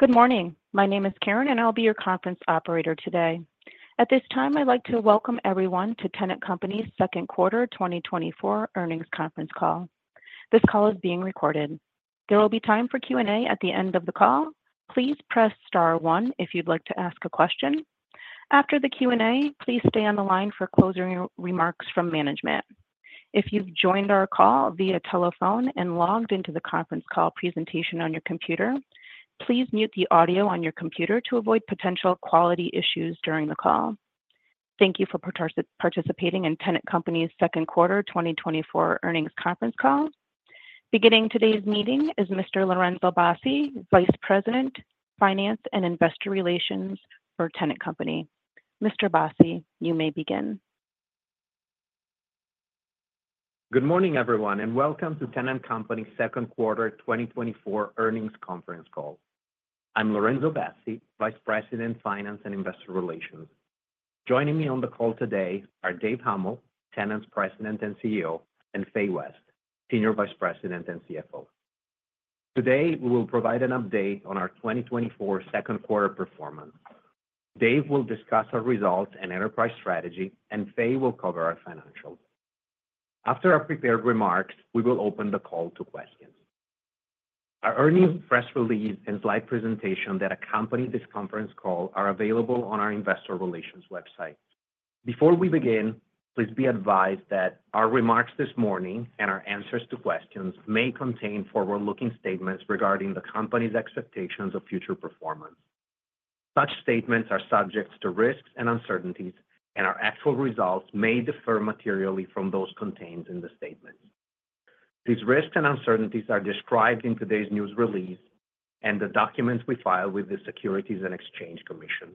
Good morning. My name is Karen, and I'll be your conference operator today. At this time, I'd like to welcome everyone to Tennant Company's second quarter 2024 earnings conference call. This call is being recorded. There will be time for Q&A at the end of the call. Please press star one if you'd like to ask a question. After the Q&A, please stay on the line for closing remarks from management. If you've joined our call via telephone and logged into the conference call presentation on your computer, please mute the audio on your computer to avoid potential quality issues during the call. Thank you for participating in Tennant Company's second quarter 2024 earnings conference call. Beginning today's meeting is Mr. Lorenzo Bassi, Vice President, Finance and Investor Relations for Tennant Company. Mr. Bassi, you may begin. Good morning, everyone, and welcome to Tennant Company's second quarter 2024 earnings conference call. I'm Lorenzo Bassi, Vice President, Finance and Investor Relations. Joining me on the call today are Dave Huml, Tennant's President and CEO, and Fay West, Senior Vice President and CFO. Today, we will provide an update on our 2024 second quarter performance. Dave will discuss our results and enterprise strategy, and Fay will cover our financials. After our prepared remarks, we will open the call to questions. Our earnings press release and slide presentation that accompany this conference call are available on our investor relations website. Before we begin, please be advised that our remarks this morning and our answers to questions may contain forward-looking statements regarding the company's expectations of future performance. Such statements are subject to risks and uncertainties, and our actual results may differ materially from those contained in the statements. These risks and uncertainties are described in today's news release and the documents we filed with the Securities and Exchange Commission.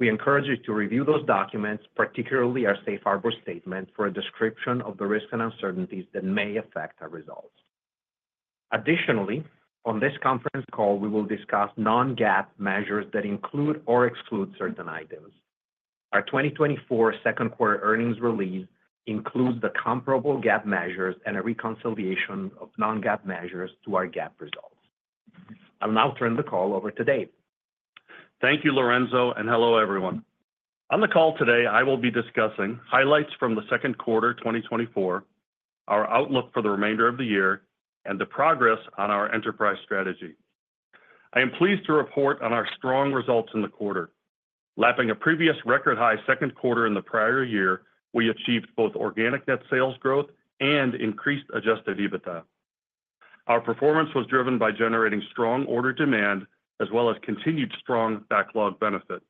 We encourage you to review those documents, particularly our Safe Harbor statement, for a description of the risks and uncertainties that may affect our results. Additionally, on this conference call, we will discuss non-GAAP measures that include or exclude certain items. Our 2024 second quarter earnings release includes the comparable GAAP measures and a reconciliation of non-GAAP measures to our GAAP results. I'll now turn the call over to Dave. Thank you, Lorenzo, and hello, everyone. On the call today, I will be discussing highlights from the second quarter 2024, our outlook for the remainder of the year, and the progress on our enterprise strategy. I am pleased to report on our strong results in the quarter. Lapping a previous record-high second quarter in the prior year, we achieved both organic net sales growth and increased adjusted EBITDA. Our performance was driven by generating strong order demand as well as continued strong backlog benefit.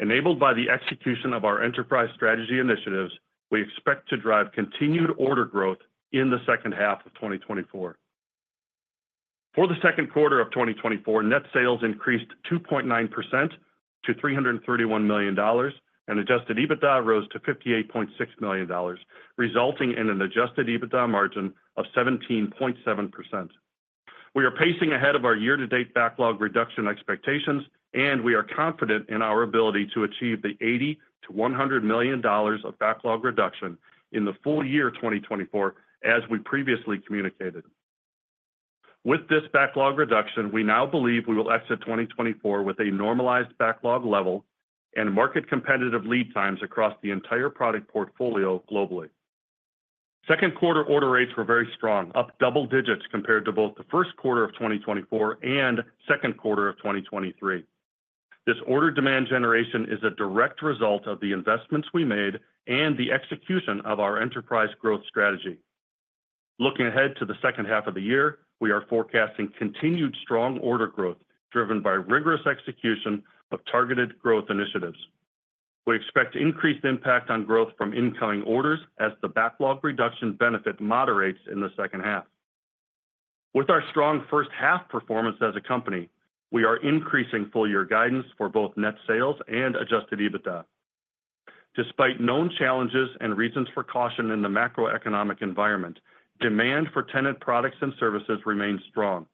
Enabled by the execution of our enterprise strategy initiatives, we expect to drive continued order growth in the second half of 2024. For the second quarter of 2024, net sales increased 2.9% to $331 million, and adjusted EBITDA rose to $58.6 million, resulting in an adjusted EBITDA margin of 17.7%. We are pacing ahead of our year-to-date backlog reduction expectations, and we are confident in our ability to achieve the $80 million to $100 million of backlog reduction in the full year 2024, as we previously communicated. With this backlog reduction, we now believe we will exit 2024 with a normalized backlog level and market competitive lead times across the entire product portfolio globally. Second quarter order rates were very strong, up double digits compared to both the first quarter of 2024 and second quarter of 2023. This order demand generation is a direct result of the investments we made and the execution of our enterprise growth strategy. Looking ahead to the second half of the year, we are forecasting continued strong order growth, driven by rigorous execution of targeted growth initiatives. We expect increased impact on growth from incoming orders as the backlog reduction benefit moderates in the second half. With our strong first half performance as a company, we are increasing full year guidance for both net sales and Adjusted EBITDA. Despite known challenges and reasons for caution in the macroeconomic environment, demand for Tennant products and services remains strong.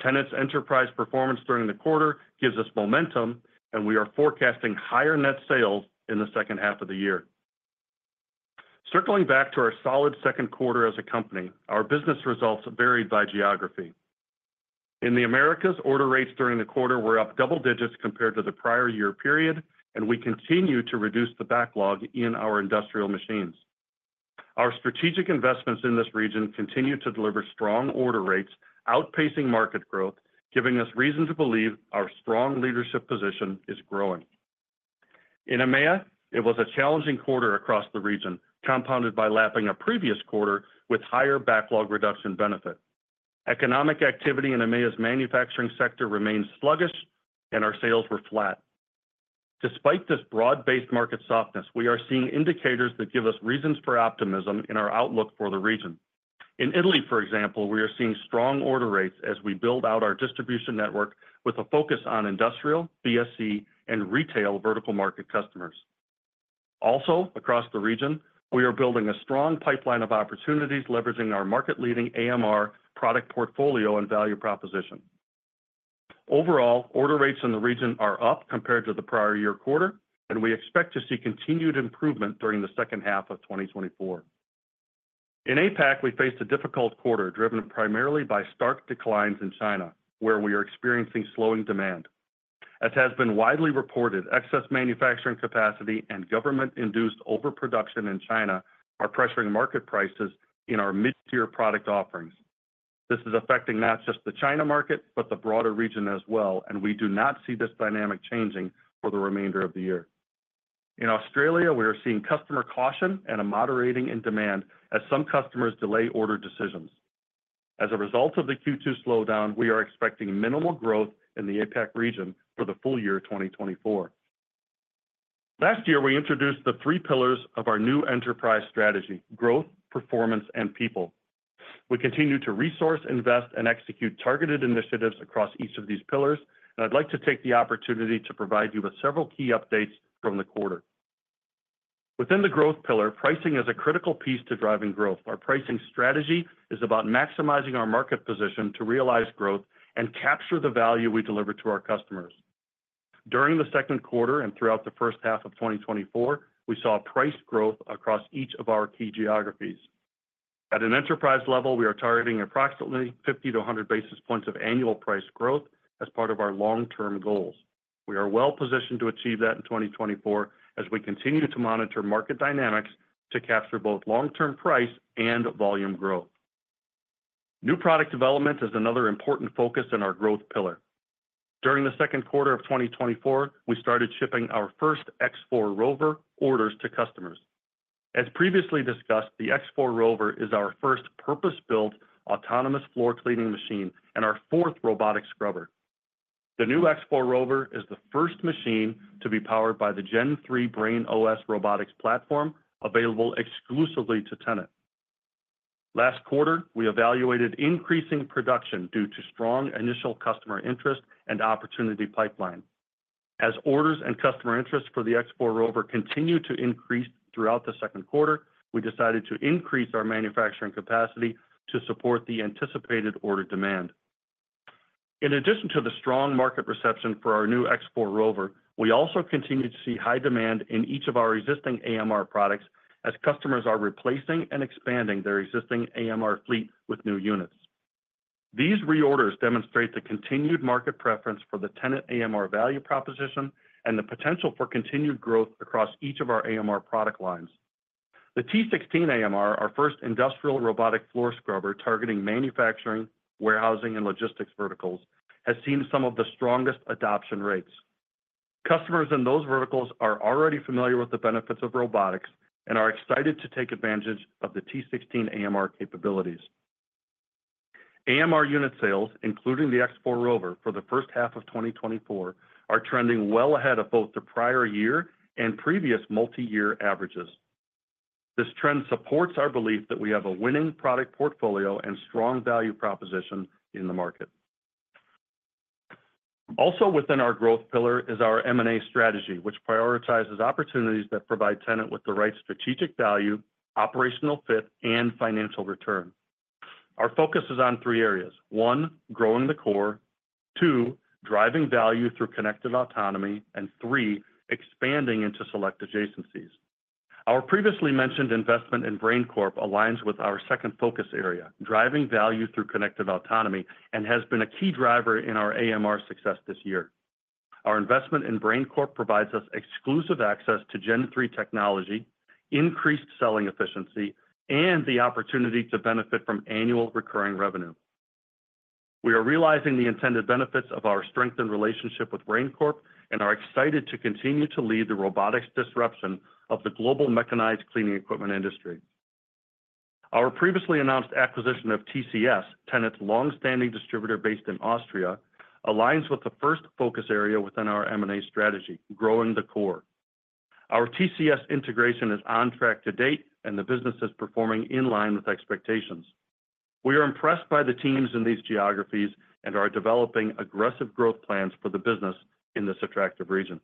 Tennant's enterprise performance during the quarter gives us momentum, and we are forecasting higher net sales in the second half of the year. Circling back to our solid second quarter as a company, our business results varied by geography. In the Americas, order rates during the quarter were up double digits compared to the prior year period, and we continue to reduce the backlog in our industrial machines. Our strategic investments in this region continue to deliver strong order rates, outpacing market growth, giving us reason to believe our strong leadership position is growing. In EMEA, it was a challenging quarter across the region, compounded by lapping a previous quarter with higher backlog reduction benefit. Economic activity in EMEA's manufacturing sector remains sluggish, and our sales were flat. Despite this broad-based market softness, we are seeing indicators that give us reasons for optimism in our outlook for the region. In Italy, for example, we are seeing strong order rates as we build out our distribution network with a focus on industrial, BSC, and retail vertical market customers. Also, across the region, we are building a strong pipeline of opportunities, leveraging our market-leading AMR product portfolio and value proposition. Overall, order rates in the region are up compared to the prior year quarter, and we expect to see continued improvement during the second half of 2024. In APAC, we faced a difficult quarter, driven primarily by stark declines in China, where we are experiencing slowing demand. As has been widely reported, excess manufacturing capacity and government-induced overproduction in China are pressuring market prices in our mid-tier product offerings. This is affecting not just the China market, but the broader region as well, and we do not see this dynamic changing for the remainder of the year. In Australia, we are seeing customer caution and a moderating in demand as some customers delay order decisions. As a result of the Q2 slowdown, we are expecting minimal growth in the APAC region for the full year 2024. Last year, we introduced the three pillars of our new enterprise strategy: Growth, Performance, and People. We continue to resource, invest, and execute targeted initiatives across each of these pillars, and I'd like to take the opportunity to provide you with several key updates from the quarter. Within the growth pillar, pricing is a critical piece to driving growth. Our pricing strategy is about maximizing our market position to realize growth and capture the value we deliver to our customers. During the second quarter and throughout the first half of 2024, we saw price growth across each of our key geographies. At an enterprise level, we are targeting approximately 50 to 100 basis points of annual price growth as part of our long-term goals. We are well positioned to achieve that in 2024 as we continue to monitor market dynamics to capture both long-term price and volume growth. New product development is another important focus in our growth pillar. During the second quarter of 2024, we started shipping our first X4 ROVER orders to customers. As previously discussed, the X4 ROVER is our first purpose-built autonomous floor cleaning machine and our fourth robotic scrubber. The new X4 ROVER is the first machine to be powered by the Gen 3 BrainOS robotics platform, available exclusively to Tennant. Last quarter, we evaluated increasing production due to strong initial customer interest and opportunity pipeline. As orders and customer interest for the X4 ROVER continued to increase throughout the second quarter, we decided to increase our manufacturing capacity to support the anticipated order demand. In addition to the strong market reception for our new X4 ROVER, we also continue to see high demand in each of our existing AMR products as customers are replacing and expanding their existing AMR fleet with new units. These reorders demonstrate the continued market preference for the Tennant AMR value proposition and the potential for continued growth across each of our AMR product lines. The T16 AMR, our first industrial robotic floor scrubber, targeting manufacturing, warehousing, and logistics verticals, has seen some of the strongest adoption rates. Customers in those verticals are already familiar with the benefits of robotics and are excited to take advantage of the T16 AMR capabilities. AMR unit sales, including the X4 ROVER, for the first half of 2024, are trending well ahead of both the prior year and previous multiyear averages. This trend supports our belief that we have a winning product portfolio and strong value proposition in the market. Also within our growth pillar is our M&A strategy, which prioritizes opportunities that provide Tennant with the right strategic value, operational fit, and financial return. Our focus is on three areas: one, growing the core, two, driving value through connected autonomy, and three, expanding into select adjacencies. Our previously mentioned investment in Brain Corp aligns with our second focus area, driving value through connected autonomy, and has been a key driver in our AMR success this year. Our investment in Brain Corp provides us exclusive access to Gen 3 technology, increased selling efficiency, and the opportunity to benefit from annual recurring revenue. We are realizing the intended benefits of our strengthened relationship with Brain Corp and are excited to continue to lead the robotics disruption of the global mechanized cleaning equipment industry. Our previously announced acquisition of TCS, Tennant's long-standing distributor based in Austria, aligns with the first focus area within our M&A strategy, growing the core. Our TCS integration is on track to date, and the business is performing in line with expectations. We are impressed by the teams in these geographies and are developing aggressive growth plans for the business in this attractive region.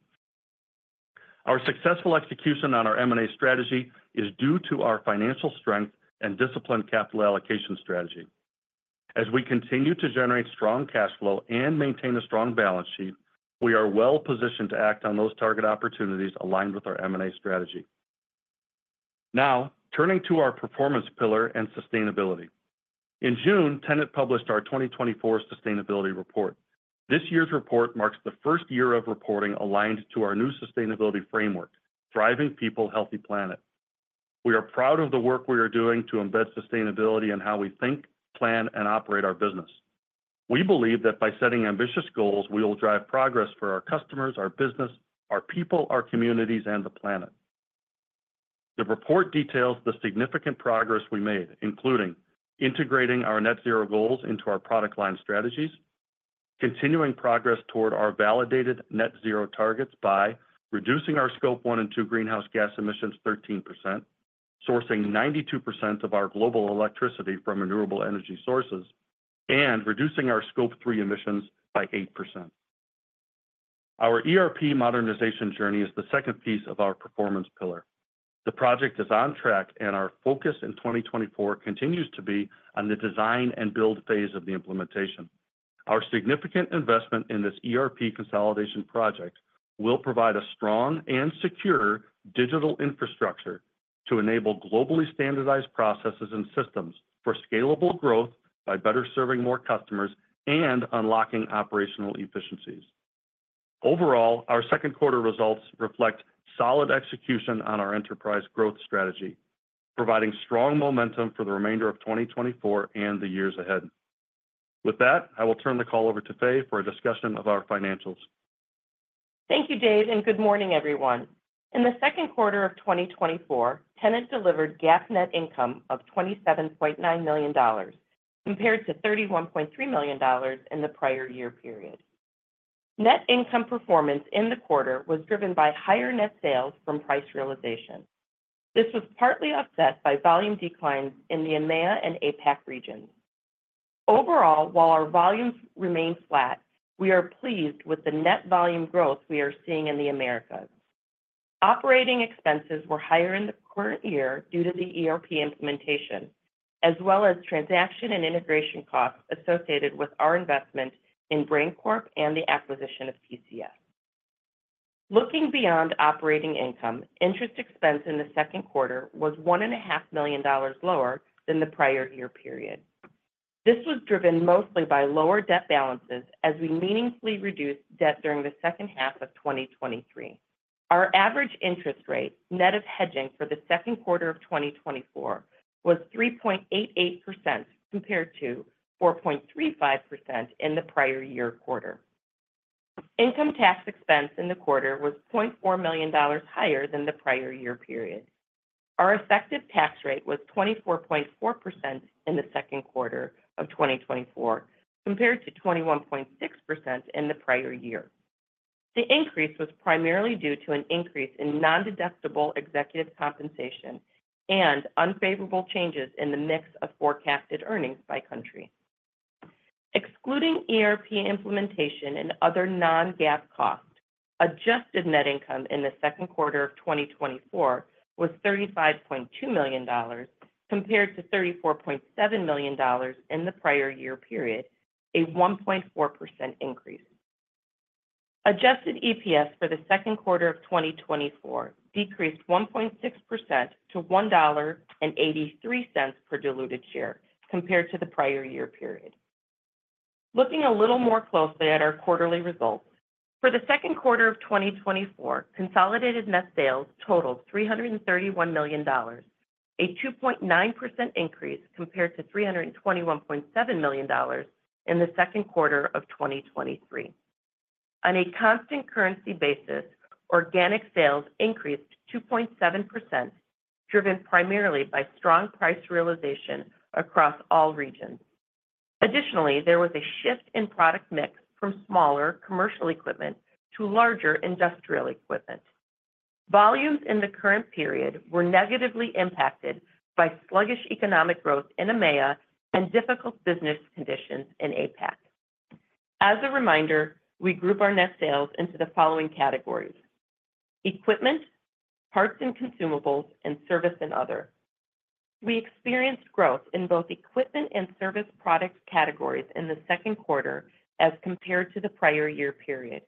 Our successful execution on our M&A strategy is due to our financial strength and disciplined capital allocation strategy. As we continue to generate strong cash flow and maintain a strong balance sheet, we are well positioned to act on those target opportunities aligned with our M&A strategy. Now, turning to our performance pillar and sustainability. In June, Tennant published our 2024 sustainability report. This year's report marks the first year of reporting aligned to our new sustainability framework, Thriving People, Healthy Planet. We are proud of the work we are doing to embed sustainability in how we think, plan, and operate our business. We believe that by setting ambitious goals, we will drive progress for our customers, our business, our people, our communities, and the planet. The report details the significant progress we made, including integrating our Net Zero goals into our product line strategies, continuing progress toward our validated Net Zero targets by reducing our Scope 1 and 2 greenhouse gas emissions 13%, sourcing 92% of our global electricity from renewable energy sources, and reducing our Scope 3 emissions by 8%. Our ERP modernization journey is the second piece of our performance pillar. The project is on track, and our focus in 2024 continues to be on the design and build phase of the implementation. Our significant investment in this ERP consolidation project will provide a strong and secure digital infrastructure to enable globally standardized processes and systems for scalable growth by better serving more customers and unlocking operational efficiencies. Overall, our second quarter results reflect solid execution on our enterprise growth strategy, providing strong momentum for the remainder of 2024 and the years ahead. With that, I will turn the call over to Fay for a discussion of our financials. Thank you, Dave, and good morning, everyone. In the second quarter of 2024, Tennant delivered GAAP net income of $27.9 million, compared to $31.3 million in the prior year period. Net income performance in the quarter was driven by higher net sales from price realization. This was partly offset by volume declines in the EMEA and APAC regions. Overall, while our volumes remain flat, we are pleased with the net volume growth we are seeing in the Americas. Operating expenses were higher in the current year due to the ERP implementation, as well as transaction and integration costs associated with our investment in Brain Corp and the acquisition of TCS. Looking beyond operating income, interest expense in the second quarter was $1.5 million lower than the prior year period. This was driven mostly by lower debt balances as we meaningfully reduced debt during the second half of 2023. Our average interest rate, net of hedging for the second quarter of 2024, was 3.88%, compared to 4.35% in the prior year quarter. Income tax expense in the quarter was $0.4 million higher than the prior year period. Our effective tax rate was 24.4% in the second quarter of 2024, compared to 21.6% in the prior year. The increase was primarily due to an increase in nondeductible executive compensation and unfavorable changes in the mix of forecasted earnings by country. Excluding ERP implementation and other non-GAAP costs, adjusted net income in the second quarter of 2024 was $35.2 million, compared to $34.7 million in the prior year period, a 1.4% increase. Adjusted EPS for the second quarter of 2024 decreased 1.6% to $1.83 per diluted share compared to the prior year period. Looking a little more closely at our quarterly results, for the second quarter of 2024, consolidated net sales totaled $331 million, a 2.9% increase compared to $321.7 million in the second quarter of 2023. On a constant currency basis, organic sales increased 2.7%, driven primarily by strong price realization across all regions. Additionally, there was a shift in product mix from smaller commercial equipment to larger industrial equipment. Volumes in the current period were negatively impacted by sluggish economic growth in EMEA and difficult business conditions in APAC. As a reminder, we group our net sales into the following categories: equipment, parts and consumables, and service and other. We experienced growth in both equipment and service product categories in the second quarter as compared to the prior year period.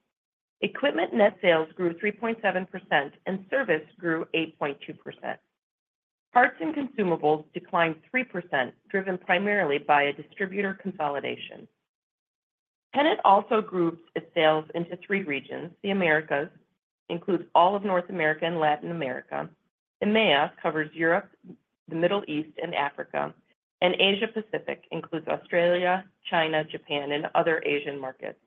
Equipment net sales grew 3.7%, and service grew 8.2%. Parts and consumables declined 3%, driven primarily by a distributor consolidation. Tennant also groups its sales into three regions. The Americas includes all of North America and Latin America. EMEA covers Europe, the Middle East, and Africa, and Asia Pacific includes Australia, China, Japan, and other Asian markets.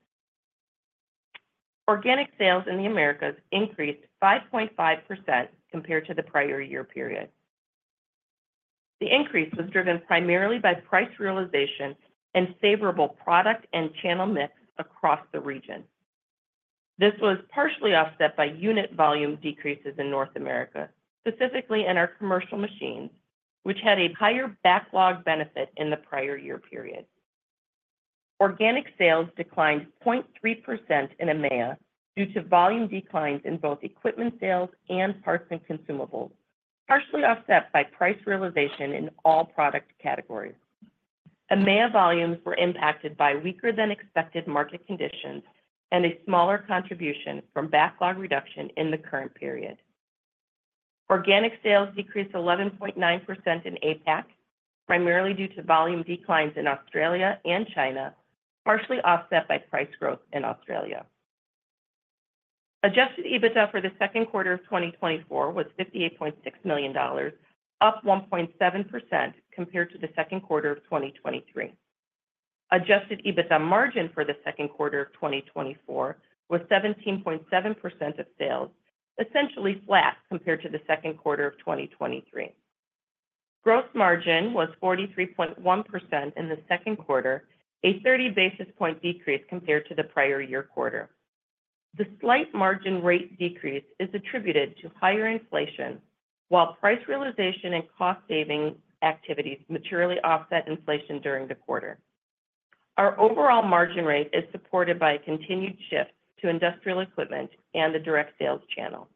Organic sales in the Americas increased 5.5% compared to the prior year period. The increase was driven primarily by price realization and favorable product and channel mix across the region. This was partially offset by unit volume decreases in North America, specifically in our commercial machines, which had a higher backlog benefit in the prior year period. Organic sales declined 0.3% in EMEA due to volume declines in both equipment sales and parts and consumables, partially offset by price realization in all product categories. EMEA volumes were impacted by weaker than expected market conditions and a smaller contribution from backlog reduction in the current period. Organic sales decreased 11.9% in APAC, primarily due to volume declines in Australia and China, partially offset by price growth in Australia. Adjusted EBITDA for the second quarter of 2024 was $58.6 million, up 1.7% compared to the second quarter of 2023. Adjusted EBITDA margin for the second quarter of 2024 was 17.7% of sales, essentially flat compared to the second quarter of 2023. Gross margin was 43.1% in the second quarter, a 30 basis point decrease compared to the prior year quarter. The slight margin rate decrease is attributed to higher inflation, while price realization and cost-saving activities materially offset inflation during the quarter. Our overall margin rate is supported by a continued shift to industrial equipment and the direct sales channel....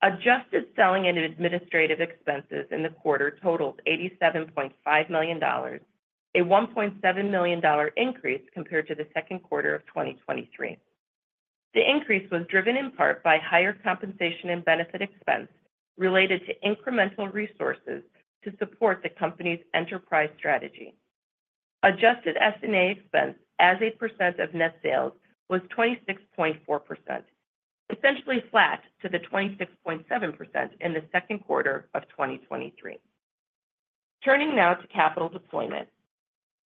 Adjusted selling and administrative expenses in the quarter totaled $87.5 million, a $1.7 million increase compared to the second quarter of 2023. The increase was driven in part by higher compensation and benefit expense related to incremental resources to support the company's enterprise strategy. Adjusted S&A expense as a percent of net sales was 26.4%, essentially flat to the 26.7% in the second quarter of 2023. Turning now to capital deployment.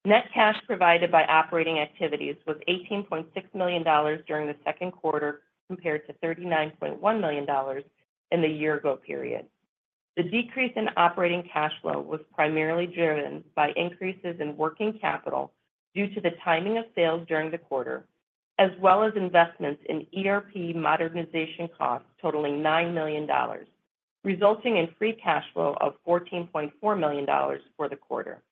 Net cash provided by operating activities was $18.6 million during the second quarter, compared to $39.1 million in the year ago period. The decrease in operating cash flow was primarily driven by increases in working capital due to the timing of sales during the quarter, as well as investments in ERP modernization costs totaling $9 million, resulting in free cash flow of $14.4 million for the quarter.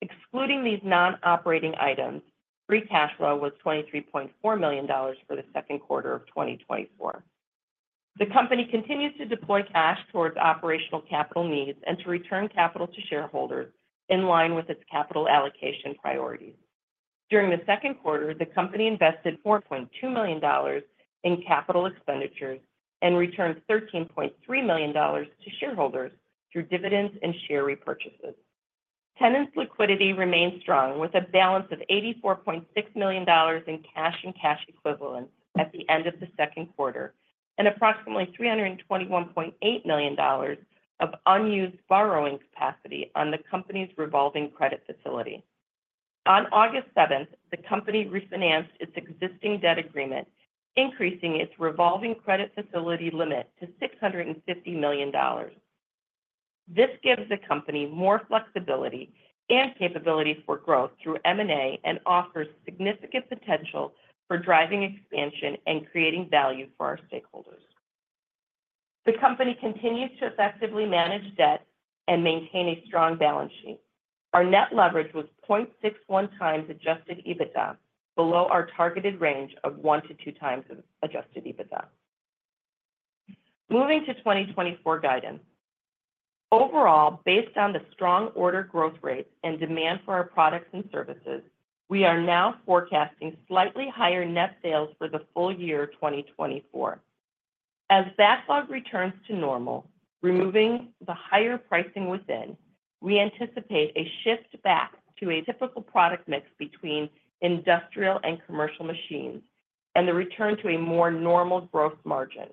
Excluding these non-operating items, free cash flow was $23.4 million for the second quarter of 2024. The company continues to deploy cash towards operational capital needs and to return capital to shareholders in line with its capital allocation priorities. During the second quarter, the company invested $4.2 million in capital expenditures and returned $13.3 million to shareholders through dividends and share repurchases. Tennant's liquidity remains strong, with a balance of $84.6 million in cash and cash equivalents at the end of the second quarter, and approximately $321.8 million of unused borrowing capacity on the company's revolving credit facility. On August 7, the company refinanced its existing debt agreement, increasing its revolving credit facility limit to $650 million. This gives the company more flexibility and capability for growth through M&A and offers significant potential for driving expansion and creating value for our stakeholders. The company continues to effectively manage debt and maintain a strong balance sheet. Our net leverage was 0.61x Adjusted EBITDA, below our targeted range of 1 to 2x Adjusted EBITDA. Moving to 2024 guidance. Overall, based on the strong order growth rate and demand for our products and services, we are now forecasting slightly higher net sales for the full year 2024. As backlog returns to normal, removing the higher pricing within, we anticipate a shift back to a typical product mix between industrial and commercial machines and the return to a more normal gross margin.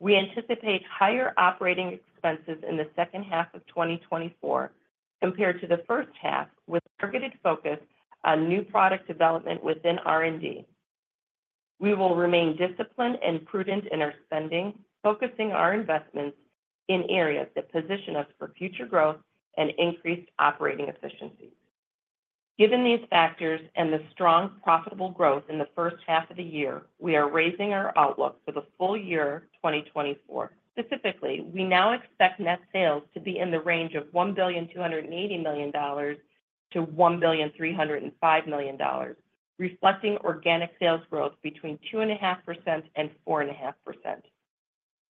We anticipate higher operating expenses in the second half of 2024 compared to the first half, with targeted focus on new product development within R&D. We will remain disciplined and prudent in our spending, focusing our investments in areas that position us for future growth and increased operating efficiencies. Given these factors and the strong, profitable growth in the first half of the year, we are raising our outlook for the full year 2024. Specifically, we now expect net sales to be in the range of $1.28 billion to $1.305 billion, reflecting organic sales growth between 2.5% and 4.5%.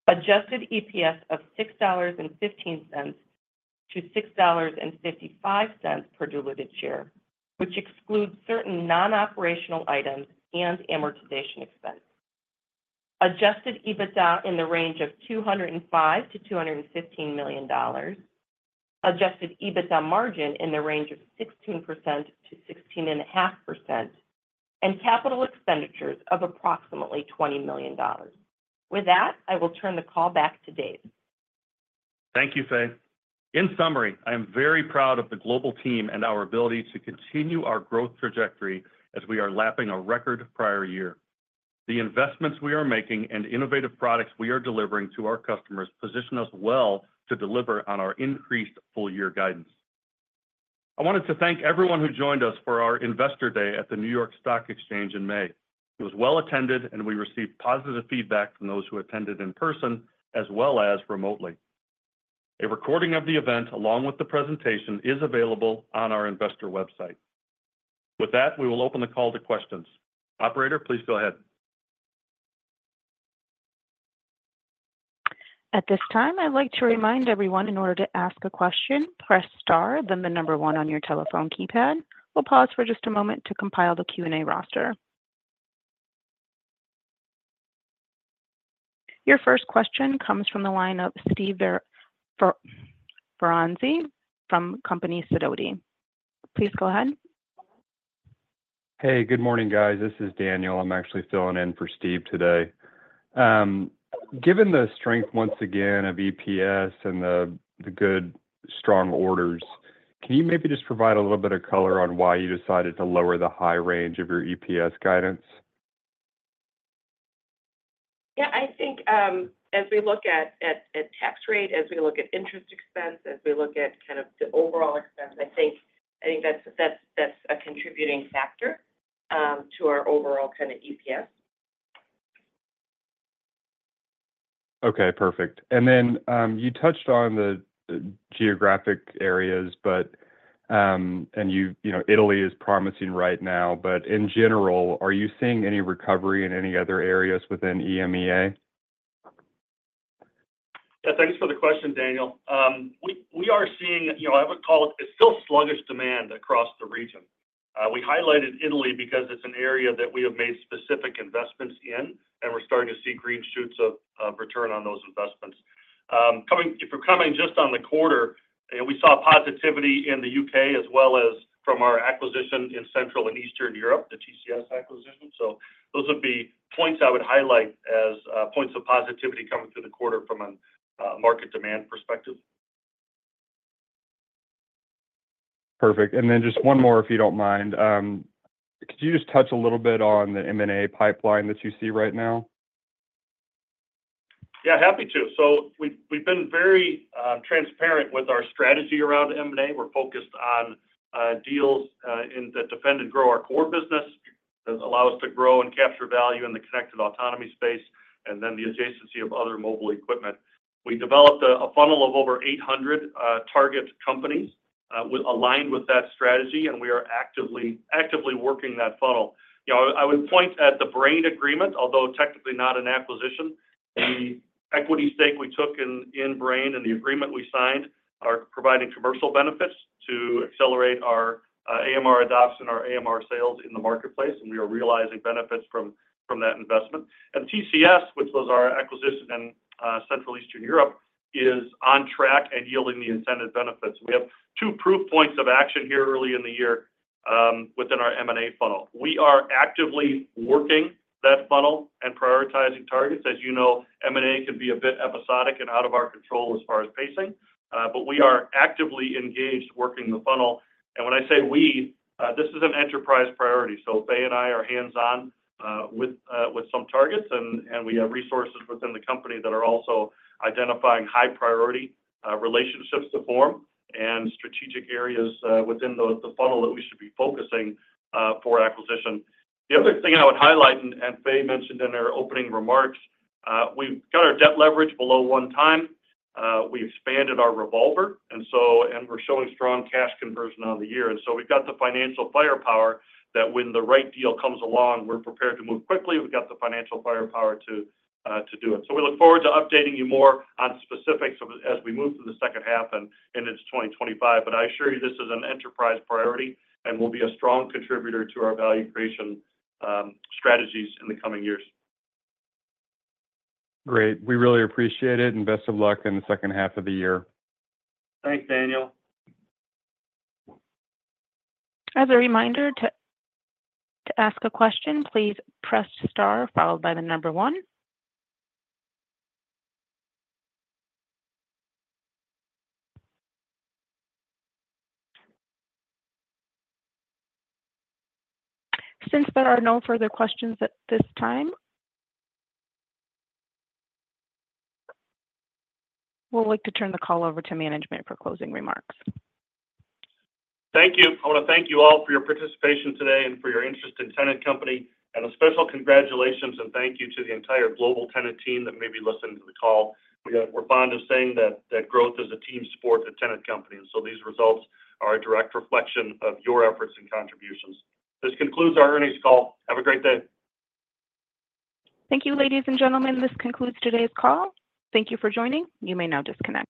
Adjusted EPS of $6.15 to $6.55 per diluted share, which excludes certain non-operational items and amortization expense. Adjusted EBITDA in the range of $205 million to $215 million. Adjusted EBITDA margin in the range of 16%-16.5%, and capital expenditures of approximately $20 million. With that, I will turn the call back to Dave. Thank you, Fay. In summary, I am very proud of the global team and our ability to continue our growth trajectory as we are lapping a record prior year. The investments we are making and innovative products we are delivering to our customers position us well to deliver on our increased full year guidance. I wanted to thank everyone who joined us for our Investor Day at the New York Stock Exchange in May. It was well attended, and we received positive feedback from those who attended in person, as well as remotely. A recording of the event, along with the presentation, is available on our investor website. With that, we will open the call to questions. Operator, please go ahead. At this time, I'd like to remind everyone, in order to ask a question, press star, then the number one on your telephone keypad. We'll pause for just a moment to compile the Q&A roster. Your first question comes from the line of Steve Ferazani from Sidoti & Company. Please go ahead. Hey, good morning, guys. This is Daniel. I'm actually filling in for Steve today. Given the strength once again of EPS and the good, strong orders, can you maybe just provide a little bit of color on why you decided to lower the high range of your EPS guidance? Yeah, I think, as we look at tax rate, as we look at interest expense, as we look at kind of the overall expense, I think that's a contributing factor to our overall kind of EPS. Okay, perfect. And then, you touched on the geographic areas, and you, you know, Italy is promising right now, but in general, are you seeing any recovery in any other areas within EMEA? Yeah, thanks for the question, Daniel. We are seeing, you know, I would call it, it's still sluggish demand across the region. We highlighted Italy because it's an area that we have made specific investments in, and we're starting to see green shoots of return on those investments. If we're commenting just on the quarter, we saw positivity in the UK, as well as from our acquisition in Central and Eastern Europe, the TCS acquisition. So those would be points I would highlight as points of positivity coming through the quarter from a market demand perspective. Perfect. And then just one more, if you don't mind. Could you just touch a little bit on the M&A pipeline that you see right now? Yeah, happy to. So we've been very transparent with our strategy around M&A. We're focused on deals in the defend and grow our core business that allow us to grow and capture value in the connected autonomy space, and then the adjacency of other mobile equipment. We developed a funnel of over 800 target companies with aligned with that strategy, and we are actively working that funnel. You know, I would point at the Brain agreement, although technically not an acquisition. The equity stake we took in Brain and the agreement we signed are providing commercial benefits to accelerate our AMR adoption, our AMR sales in the marketplace, and we are realizing benefits from that investment. And TCS, which was our acquisition in Central and Eastern Europe, is on track and yielding the incentive benefits. We have two proof points of action here early in the year within our M&A funnel. We are actively working that funnel and prioritizing targets. As you know, M&A can be a bit episodic and out of our control as far as pacing, but we are actively engaged working the funnel. And when I say we, this is an enterprise priority, so Fay and I are hands-on with some targets, and we have resources within the company that are also identifying high priority relationships to form and strategic areas within the funnel that we should be focusing for acquisition. The other thing I would highlight, and Fay mentioned in her opening remarks, we've got our debt leverage below one time. We expanded our revolver, and so and we're showing strong cash conversion on the year. And so we've got the financial firepower that when the right deal comes along, we're prepared to move quickly. We've got the financial firepower to, to do it. So we look forward to updating you more on specifics as we move through the second half and into 2025. But I assure you, this is an enterprise priority and will be a strong contributor to our value creation strategies in the coming years. Great. We really appreciate it, and best of luck in the second half of the year. Thanks, Daniel. As a reminder, to ask a question, please press star followed by the number one. Since there are no further questions at this time, we'd like to turn the call over to management for closing remarks. Thank you. I want to thank you all for your participation today and for your interest in Tennant Company. A special congratulations and thank you to the entire global Tennant team that may be listening to the call. We're fond of saying that growth is a team sport at Tennant Company, and so these results are a direct reflection of your efforts and contributions. This concludes our earnings call. Have a great day. Thank you, ladies and gentlemen. This concludes today's call. Thank you for joining. You may now disconnect.